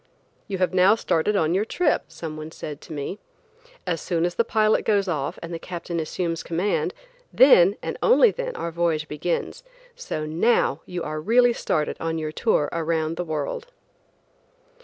"You have now started on your trip," someone said to me. "As soon as the pilot goes off and the captain assumes command, then, and only then our voyage begins, so now you are really started on your tour around the world."